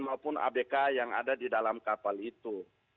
maupun abk yang ada di dalam kapal itu